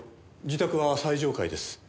自宅は最上階です。